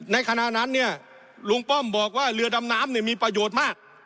ขณะนั้นเนี่ยลุงป้อมบอกว่าเรือดำน้ำเนี่ยมีประโยชน์มาก